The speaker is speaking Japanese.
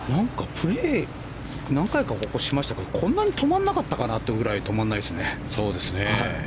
プレー何回かしましたけどこんなに止まらなかったかな？というぐらい止まらないですね。